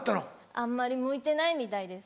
あんまり向いてないみたいです。